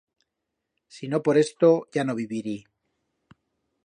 Si no por esto ya no vivirí.